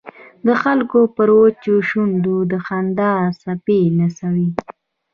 د خلکو پر وچو شونډو د خندا څپې نڅوي.